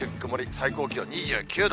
最高気温２９度。